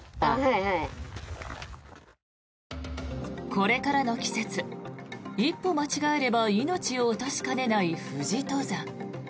これからの季節一歩間違えれば命を落としかねない富士登山。